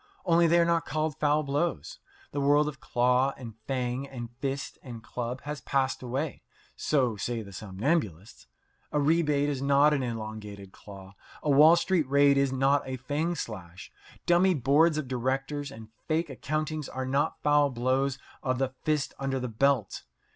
Only they are not called foul blows. The world of claw and fang and fist and club has passed away so say the somnambulists. A rebate is not an elongated claw. A Wall Street raid is not a fang slash. Dummy boards of directors and fake accountings are not foul blows of the fist under the belt.